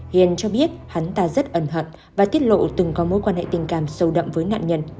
hiền cho biết hắn ta rất ẩn hận và tiết lộ từng có mối quan hệ tình cảm sâu đậm với nạn nhân